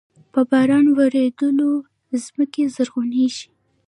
په باران ورېدلو زمکې زرغوني شي۔